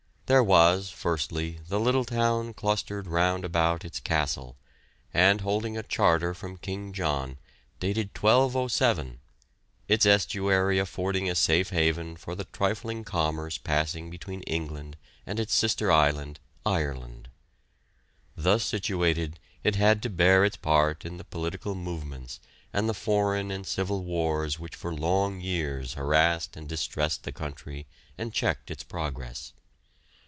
There was, firstly, the little town clustered round about its castle, and holding a charter from King John dated 1207, its estuary affording a safe haven for the trifling commerce passing between England and its sister island, Ireland. Thus situated it had to bear its part in the political movements and the foreign and civil wars which for long years harassed and distressed the country and checked its progress.